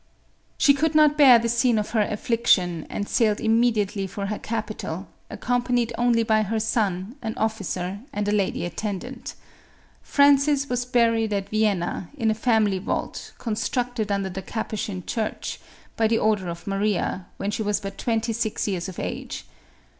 She could not bear the scene of her affliction, and sailed immediately for her capital, accompanied only by her son, an officer, and a lady attendant Francis was buried at Vienna, in a family vault, constructed under the Capuchin church, by the order of Maria, when she was but twenty six years of age.